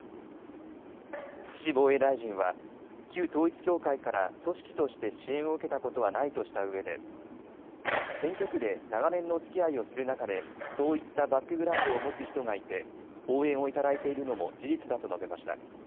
岸防衛大臣は旧統一教会から組織として支援を受けたことはないとしたうえで選挙区で長年のおつきあいをする中でそういったバックグラウンドを持つ人がいて応援をいただいているのも事実だと述べました。